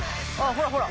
ほらほら！